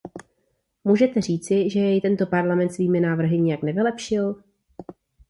Můžete říci, že jej tento Parlament svými návrhy nijak nevylepšil?